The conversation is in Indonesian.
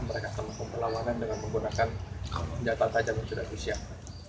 mereka akan mempunyai perlawanan dengan menggunakan senjata tajam yang sudah di siapkan